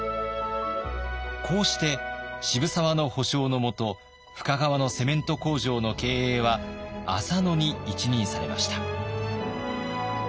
こうして渋沢の保証のもと深川のセメント工場の経営は浅野に一任されました。